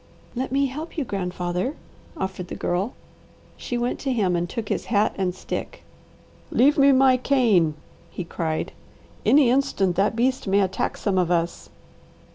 "Let me help you, grandfather," offered the Girl. She went to him and took his hat and stick. "Leave me my cane," he cried. "Any instant that beast may attack some of us."